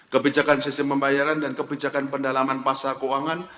kebijakan sistem pembayaran dan kebijakan pendalaman pasar keuangan